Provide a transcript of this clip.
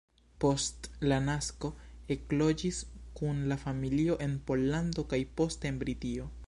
Post la nasko ekloĝis kun la familio en Pollando, kaj poste en Britio.